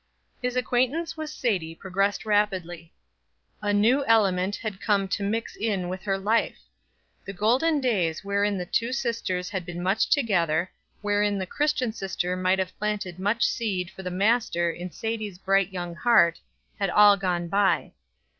His acquaintance with Sadie progressed rapidly. A new element had come to mix in with her life. The golden days wherein the two sisters had been much together, wherein the Christian sister might have planted much seed for the Master in Sadie's bright young heart, had all gone by.